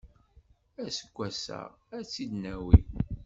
Aseggas-a ad tt-id-nawi.